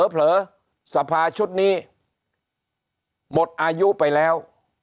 เผลอสภาชุดนี้หมดอายุไปแล้ว